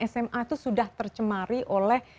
sma itu sudah tercemari oleh